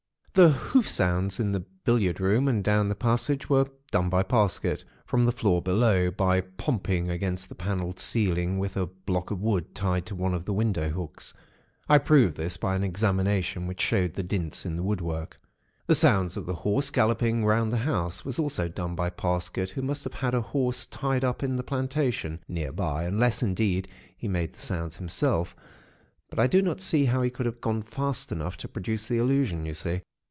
"The hoof sounds in the billiard room and down the passage, were done by Parsket, from the floor below, by pomping against the panelled ceiling with a block of wood tied to one of the window hooks. I proved this, by an examination, which showed the dints in the woodwork. "The sounds of the horse galloping round the house, was also done by Parsket, who must have had a horse tied up in the plantation, near by, unless, indeed, he made the sounds himself; but I do not see how he could have gone fast enough to produce the illusion, you see?